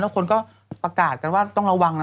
คนก็ประกาศกันว่าต้องระวังนะ